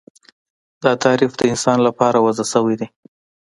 دا تعریف د انسان لپاره وضع شوی دی